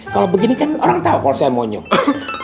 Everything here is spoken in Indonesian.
kalau begini kan orang tau kalau saya monyong